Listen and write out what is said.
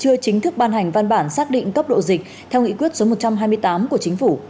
chưa chính thức ban hành văn bản xác định cấp độ dịch theo nghị quyết số một trăm hai mươi tám của chính phủ